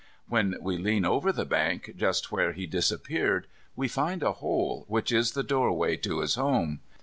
When we lean over the bank, just where he disappeared, we find a hole, which is the doorway of his home.